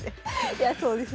いやそうですね。